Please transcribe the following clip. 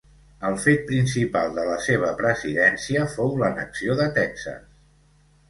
El fet principal de la seva presidència fou l'annexió de Texas.